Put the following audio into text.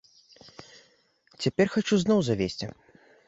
Цяпер хачу зноў завесці.